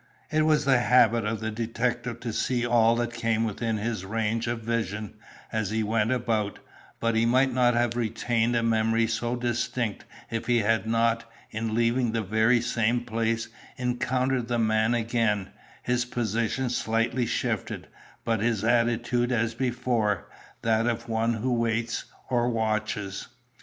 It was the habit of the detective to see all that came within his range of vision, as he went about, but he might not have retained a memory so distinct if he had not, in leaving the very same place, encountered the man again, his position slightly shifted, but his attitude as before, that of one who waits, or watches.